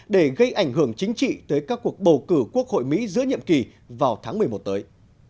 để gây ảnh hưởng chính trị tới các cuộc bầu cử quốc hội mỹ giữa nhiệm kỳ vào tháng một mươi một tới